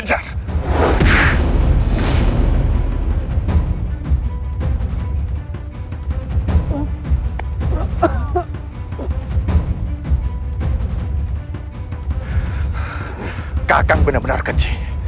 lalu apa masalahmu dengan itu